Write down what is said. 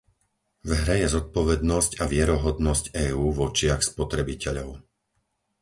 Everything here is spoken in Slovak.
V hre je zodpovednosť a vierohodnosť EÚ v očiach spotrebiteľov.